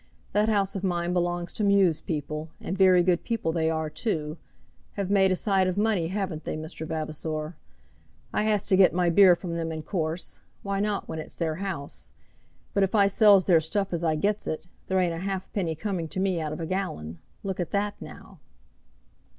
That house of mine belongs to Meux's people; and very good people they are too; have made a sight of money; haven't they, Mr. Vavasor? I has to get my beer from them in course. Why not, when it's their house? But if I sells their stuff as I gets it, there ain't a halfpenny coming to me out of a gallon. Look at that, now."